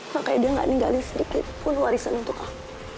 makanya dia nggak ninggalin sedikitpun warisan untuk aku